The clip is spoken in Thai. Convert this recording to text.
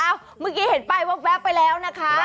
เอ้าเมื่อกี้เห็นไปว่าแวะไปแล้วนะคะ